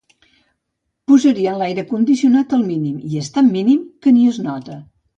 Posarien aire condicionat al mínim i és tant mínim que ni es nota.